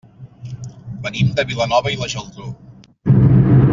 Venim de Vilanova i la Geltrú.